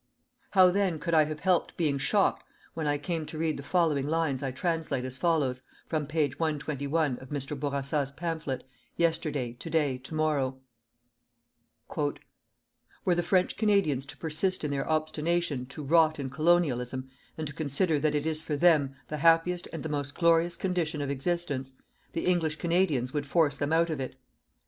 How then could I have helped being shocked when I came to read the following lines I translate as follows from page 121 of Mr. Bourassa's pamphlet: "Yesterday, To day, To morrow": "_Were the French Canadians to persist in their obstination to rot in colonialism and to consider that it is for them the happiest and the most glorious condition of existence, the English Canadians would force them out of it.